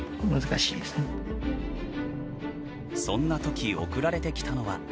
そんな時送られてきたのは。